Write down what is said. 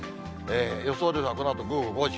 予想ではこのあと午後５時。